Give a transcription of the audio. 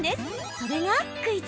それがクイズ。